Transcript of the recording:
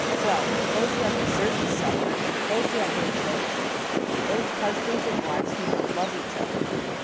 '* Well ! those who have deserved to suffer ; those who have no children ; those husbands and wives who don't love each other."